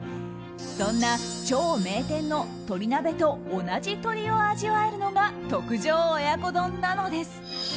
そんな超名店の鳥鍋と同じ鶏を味わえるのが特上親子丼なのです。